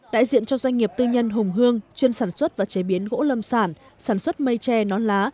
đại diện cho doanh nghiệp tư nhân hùng hương chuyên sản xuất và chế biến gỗ lâm sản sản xuất mây tre nón lá